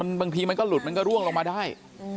บางทีมันก็หลุดมันก็ร่วงลงมาได้